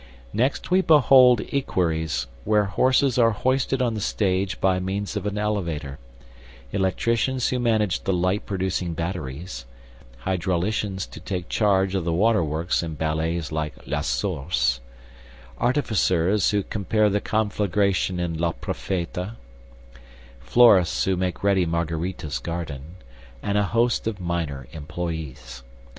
"Next we behold equeries, whose horses are hoisted on the stage by means of an elevator; electricians who manage the light producing batteries; hydrauliciens to take charge of the water works in ballets like La Source; artificers who prepare the conflagration in Le Profeta; florists who make ready Margarita's garden, and a host of minor employees.